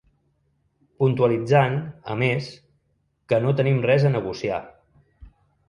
Puntualitzant, a més, que ‘no tenim res a negociar’.